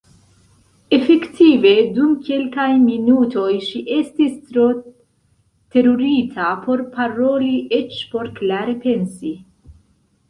Efektive dum kelkaj minutoj ŝi estis tro terurita por paroli, eĉ por klare pensi.